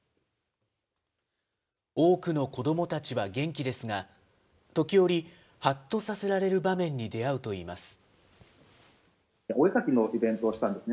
多くの子どもたちは元気ですが、時折はっとさせられる場面に出会うといいます。